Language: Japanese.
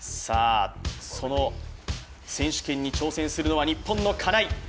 その選手権に挑戦するのは日本の金井。